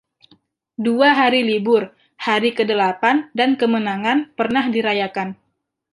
Dua hari libur, Hari Kedelapan dan Kemenangan, pernah dirayakan.